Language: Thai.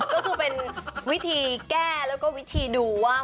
ก็คือเป็นวิธีแก้แล้วก็วิธีดูว่า